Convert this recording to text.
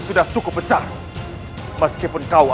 si penopeng benar benar tangguh